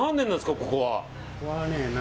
ここは。